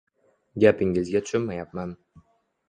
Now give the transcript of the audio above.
Gapingizgа tushunmayapman.